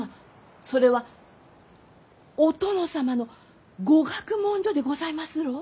それはお殿様の御学問所でございますろう？